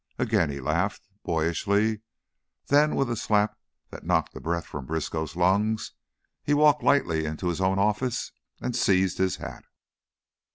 Again he laughed, boyishly; then, with a slap that knocked the breath from Briskow's lungs, he walked lightly into his own office and seized his hat.